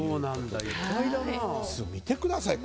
見てください。